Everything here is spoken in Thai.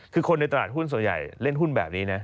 คือคนในตลาดหุ้นส่วนใหญ่เล่นหุ้นแบบนี้นะ